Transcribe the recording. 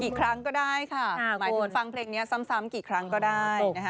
กี่ครั้งก็ได้ค่ะห้าคนหมายถึงฟังเพลงเนี้ยซ้ำซ้ำกี่ครั้งก็ได้นะฮะ